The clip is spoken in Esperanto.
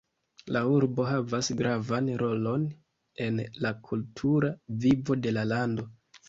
La urbo havas gravan rolon en la kultura vivo de la lando.